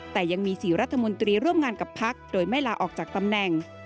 แต่ยังมี๔รัฐมนตรีร่วมงานกับพักโดยไม่ลาออกจากตำแหน่ง